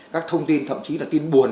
các thông tin thậm chí là tin buồn